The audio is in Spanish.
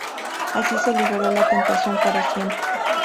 Así se liberó de la tentación para siempre.